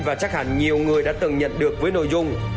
và chắc hẳn nhiều người đã từng nhận được với nội dung